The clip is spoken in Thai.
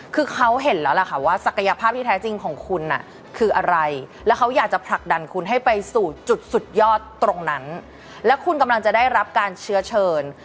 คือเขาเห็นแล้วล่ะค่ะว่าศักยภาพที่แท้จริงของคุณคืออะไรแล้วเขาอยากจะผลักดันคุณให้ไปสู่จุดสุดยอดตรงนั้นและคุณกำลังจะได้รับการเชื้อเชิญ